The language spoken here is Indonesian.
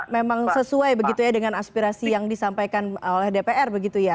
memang sesuai dengan aspirasi yang disampaikan oleh dpr